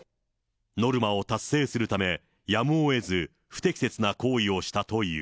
ノルマを達成するため、やむをえず、不適切な行為をしたという。